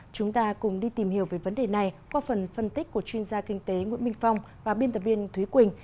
chúng ta cùng đi tìm hiểu về vấn đề này qua phần phân tích của chuyên gia kinh tế nguyễn minh phong và biên tập viên thúy quỳnh